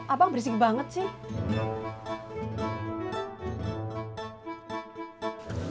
abang berisik banget sih